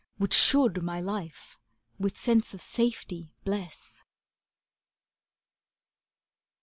Which should my life with sense of safety bless.